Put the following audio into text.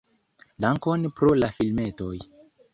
Dankon pro la filmetoj!